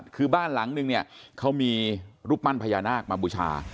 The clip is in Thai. คือบ้านหลังนึงเนี่ยเขามีรูปปั้นพญานาคมาบูชา